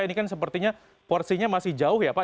ini kan sepertinya porsinya masih jauh ya pak